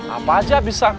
apa aja bisa